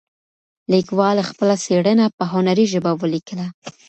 لیکوال خپله څېړنه په هنري ژبه ولیکله.